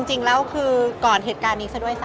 จริงแล้วคือก่อนเหตุการณ์นี้ซะด้วยซ้ำ